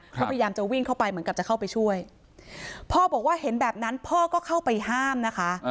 ก็พยายามจะวิ่งเข้าไปเหมือนกับจะเข้าไปช่วยพ่อบอกว่าเห็นแบบนั้นพ่อก็เข้าไปห้ามนะคะ